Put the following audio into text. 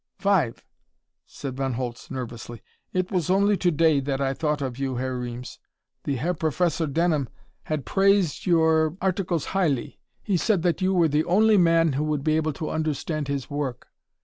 "Five," said Von Holtz nervously. "It was only to day that I thought of you, Herr Reames. The Herr Professor Denham had praised your articles highly. He said that you were the only man who would be able to understand his work.